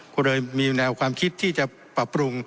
ก็เลยมีแนวความคิดที่จะปรับปรุง